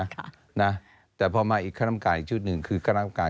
ค่ะนะแต่พอมาอีกคณะกรรมการอีกชุดหนึ่งคือคณะกรรมการ